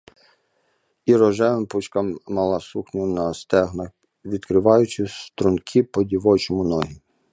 І рожевими пучками м'яла сукню на стегнах, відкриваючи стрункі по-дівочому ноги.